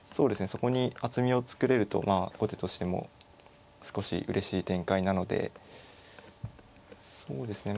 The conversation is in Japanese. そこに厚みを作れると後手としても少しうれしい展開なのでそうですね